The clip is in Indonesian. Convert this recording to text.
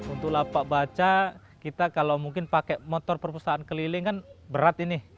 untuk lapak baca kita kalau mungkin pakai motor perpustakaan keliling kan berat ini